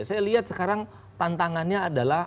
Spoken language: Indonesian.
saya lihat sekarang tantangannya adalah